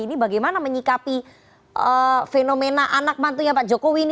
ini bagaimana menyikapi fenomena anak mantunya pak jokowi ini